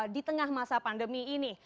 di tengah masa pandemi ini